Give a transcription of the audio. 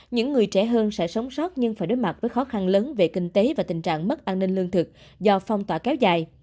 những người trẻ hơn sẽ sống sót nhưng phải đối mặt với khó khăn lớn về kinh tế và tình trạng mất an ninh lương thực do phong tỏa kéo dài